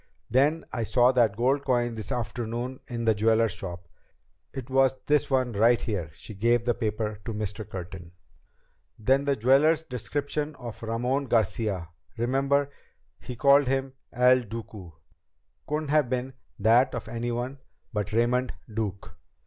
"Then I saw that gold coin this afternoon in the jeweler's shop. It was this one right here." She gave the paper to Mr. Curtin. "Then the jeweler's description of Ramon Garcia remember, he called him El Duque? couldn't have been that of anyone but Raymond Duke.